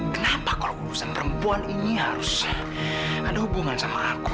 kenapa kalau urusan perempuan ini harus ada hubungan sama aku